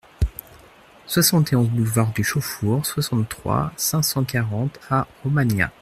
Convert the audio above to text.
soixante et onze boulevard du Chauffour, soixante-trois, cinq cent quarante à Romagnat